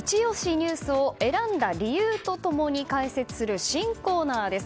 ニュースを選んだ理由と共に解説する新コーナーです。